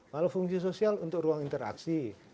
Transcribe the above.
kalau fungsi sosial untuk ruang interaksi